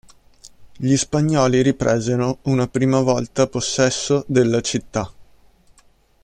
Gli spagnoli ripresero una prima volta possesso della città.